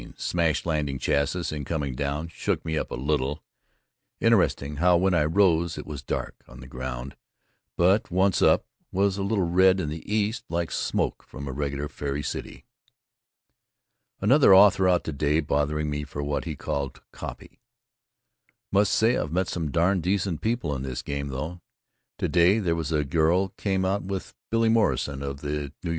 Smashed landing chassis in coming down, shook me up a little. Interesting how when I rose it was dark on the ground but once up was a little red in the east like smoke from a regular fairy city. Another author out to day bothering me for what he called "copy." Must say I've met some darn decent people in this game though. To day there was a girl came out with Billy Morrison of the N. Y.